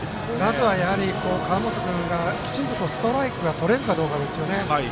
まずは、やはり川本君が、きちんとストライクとれるかですよね。